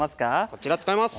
こちら使います。